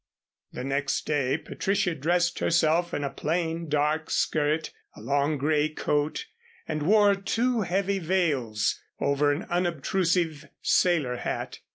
The next day Patricia dressed herself in a plain, dark skirt, a long grey coat and wore two heavy veils over an unobtrusive sailor hat.